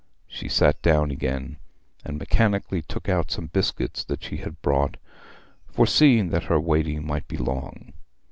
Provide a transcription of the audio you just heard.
She sat down again, and mechanically took out some biscuits that she had brought, foreseeing that her waiting might be long.